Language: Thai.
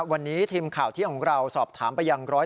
วันนี้ทีมข่าวเที่ยงของเราสอบถามไปยังร้อย